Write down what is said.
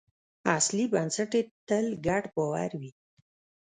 اصلي بنسټ یې تل ګډ باور وي.